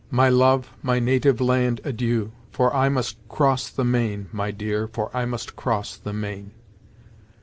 My love! my native land, adieu For I must cross the main, My dear, For I must cross the main."